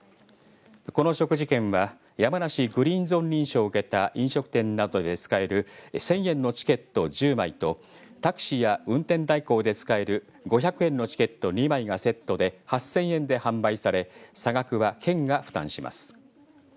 この食事券はやまなしグリーン・ゾーン認証を受けた飲食店などで使える１０００円のチケット１０枚とタクシーや運転代行で使える５００円のチケット２枚がセットで８０００円で販売され差額は県が負担します。